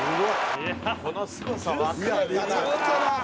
「このすごさわかるかな？」